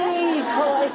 かわいい。